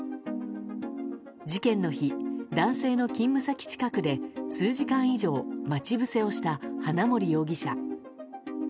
事件の日、男性の勤務先近くで数時間以上待ち伏せをした花森容疑者。